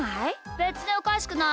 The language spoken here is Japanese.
べつにおかしくない。